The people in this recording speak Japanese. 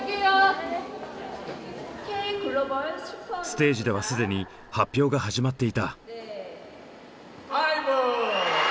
ステージでは既に発表が始まっていた。